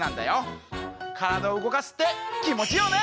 からだをうごかすってきもちいいよね！